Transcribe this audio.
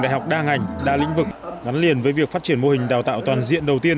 đại học đa ngành đa lĩnh vực gắn liền với việc phát triển mô hình đào tạo toàn diện đầu tiên